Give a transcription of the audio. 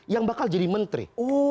yang bakal jadi menteri